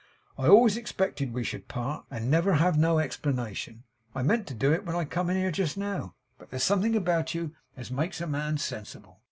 'I always expected we should part, and never have no explanation; I meant to do it when I come in here just now; but there's something about you, as makes a man sensible.